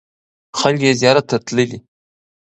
خلک یې زیارت ته تللي.